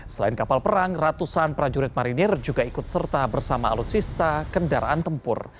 selain kapal perang ratusan prajurit marinir juga ikut serta bersama alutsista kendaraan tempur